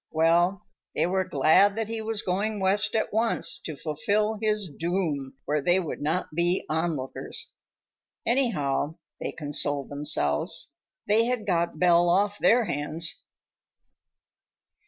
Well, they were glad that he was going West at once, to fulfill his doom where they would not be onlookers. Anyhow, they consoled themselves, they had got Belle off their hands.